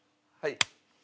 はい。